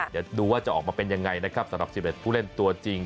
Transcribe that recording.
เดี๋ยวดูว่าจะออกมาเป็นยังไงนะครับสำหรับ๑๑ผู้เล่นตัวจริง